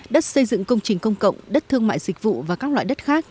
đất xây dựng công trình công cộng đất thương mại dịch vụ và các loại đất khác